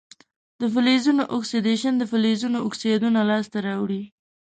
د فلزونو اکسیدیشن د فلزونو اکسایدونه لاسته راوړي.